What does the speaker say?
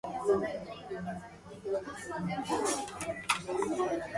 It is native to southern Venezuela and northwestern Brazil.